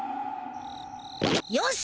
よし！